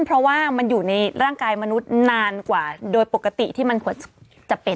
เพราะว่ามันอยู่ในร่างกายมนุษย์นานกว่าโดยปกติที่มันควรจะเป็น